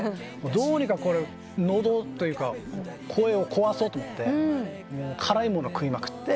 どうにか喉というか声を壊そうと思って辛いもの食いまくって。